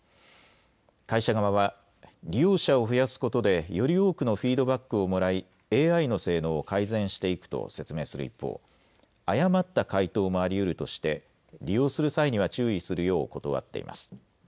会社側は利用者を増やすことでより多くのフィードバックをもらいＡＩの性能を改善していくと説明する一方、誤った回答もありうるとして利用する際には注意するよう断っています。